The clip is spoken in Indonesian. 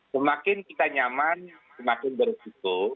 semakin kita nyaman semakin beresiko